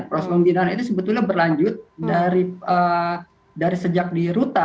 proses pembinaan itu sebetulnya berlanjut dari sejak di ruta